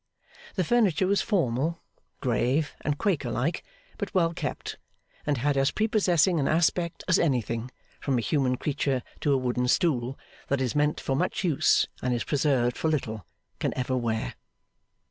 The furniture was formal, grave, and quaker like, but well kept; and had as prepossessing an aspect as anything, from a human creature to a wooden stool, that is meant for much use and is preserved for little, can ever wear.